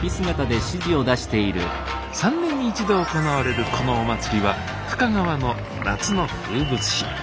３年に一度行われるこのお祭りは深川の夏の風物詩。